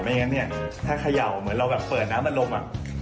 ไม่งั้นถ้าขย่าวเหมือนเราแบบเปิดน้ำมันลม